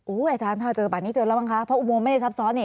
อุโมงไม่ได้ซับซ้อน